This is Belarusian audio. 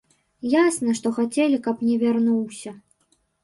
Ясна, што хацелі, каб не вярнуўся.